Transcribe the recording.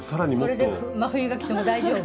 これで真冬が来ても大丈夫。